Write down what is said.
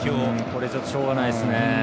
これじゃしょうがないです。